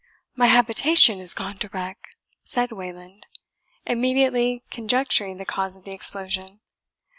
"My habitation is gone to wreck," said Wayland, immediately conjecturing the cause of the explosion.